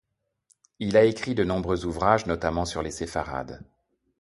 Il a écrit de nombreux ouvrages, notamment sur les Séfarades.